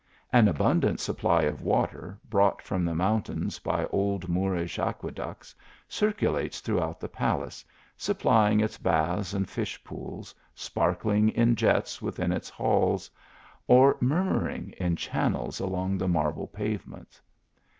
An abundant supply of water, brought from the mountains by old Moorish aqueducts, circulates throughout the palace, supplying its baths and fish pools, sparkling in jets within its halls, or murmur ing in channels along the marble pavements.